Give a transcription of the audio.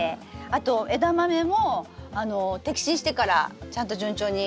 あとエダマメも摘心してからちゃんと順調に。